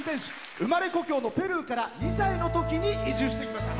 生まれ故郷のペルーから２歳のときに移住してきました。